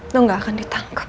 lo gak akan ditangkap